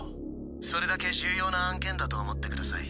それだけ重要な案件だと思ってください。